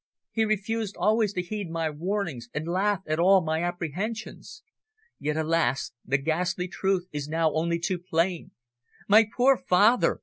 He refused always to heed my warnings, and laughed at all my apprehensions. Yet, alas! the ghastly truth is now only too plain. My poor father!"